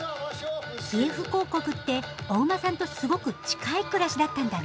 キエフ公国ってお馬さんとすごく近い暮らしだったんだね。